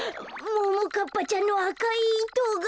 ももかっぱちゃんのあかいいとが。